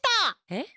えっ？